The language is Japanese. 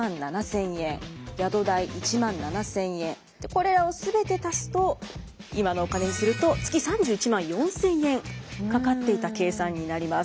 これを全て足すと今のお金にすると月３１万４，０００円かかっていた計算になります。